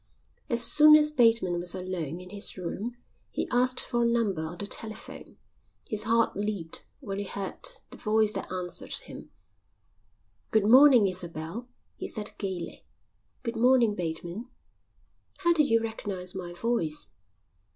As soon as Bateman was alone in his room he asked for a number on the telephone. His heart leaped when he heard the voice that answered him. "Good morning, Isabel," he said gaily. "Good morning, Bateman." "How did you recognise my voice?"